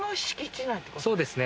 そうですね。